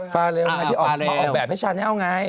ฟ้าเร็วมาออกแบบให้ชาแนลไง